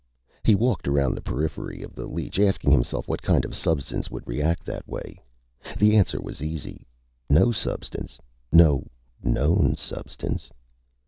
He walked around the periphery of the leech, asking himself what kind of substance would react that way. The answer was easy no substance. No known substance.